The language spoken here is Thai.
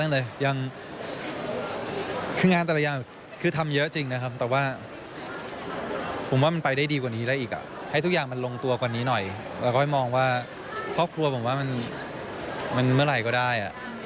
แล้วก็ให้มองว่าครอบครัวผมว่ามันเมื่อไหร่ก็ได้